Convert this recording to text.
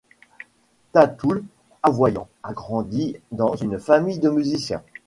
Tatoul Avoyan a grandi dans une famille de musiciens.